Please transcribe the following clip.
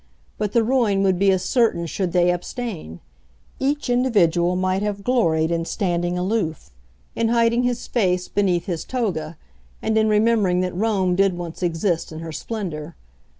But the ruin would be as certain should they abstain. Each individual might have gloried in standing aloof, in hiding his face beneath his toga, and in remembering that Rome did once exist in her splendour.